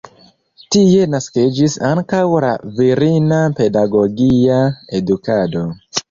Tie naskiĝis ankaŭ la virina pedagogia edukado.